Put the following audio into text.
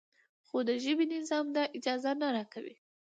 خو د ژبې نظام دا اجازه نه راکوي.